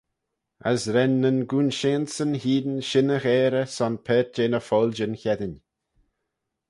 As ren nyn gooinsheanseyn hene shin y gheyrey son paart jeh ny foiljyn cheddin.